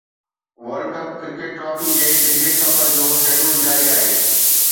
world cup cricket trophy جي ڊگهي سفر جو شيڊول جاري آهي